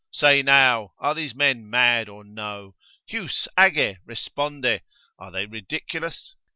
Say now, are these men mad or no, Heus age responde? are they ridiculous?